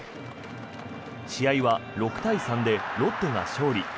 試合は６対３でロッテが勝利。